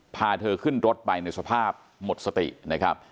พาเธอขึ้นรถไปในสภาพหมดสตินะครับ